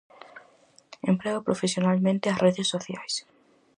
Emprega profesionalmente as redes sociais.